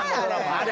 あれ。